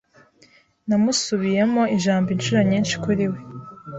Namusubiyemo ijambo inshuro nyinshi kuri we.